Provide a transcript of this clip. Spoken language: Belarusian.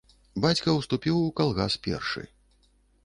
Бацька ўступіў у калгас першы.